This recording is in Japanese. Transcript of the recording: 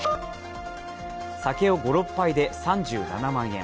酒を５６杯で３７万円。